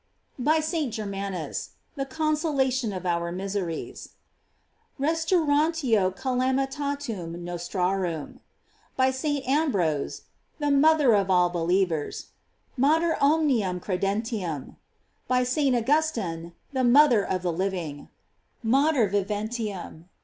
"J By St. Germanus: The consolation of our miseries: "Restauratio ealamitatum nostrarum."§ By St. Ambrose: The mother of all believers: "Mater omnium credenti urn. "|| By St. Augustine: The mother of the living: " Mater viventium."